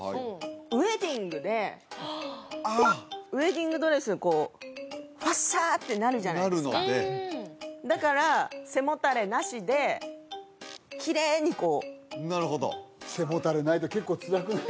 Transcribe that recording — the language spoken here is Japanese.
ウェディングでああウェディングドレスをこうファッサーってなるじゃないですかだから背もたれなしできれいにこうなるほど背もたれないと結構つらくない？